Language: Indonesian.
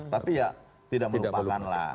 tapi ya tidak melupakan lah